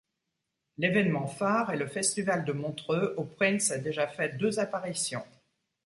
L’événement phare est le festival de Montreux où Prince a déjà fait deux apparitions.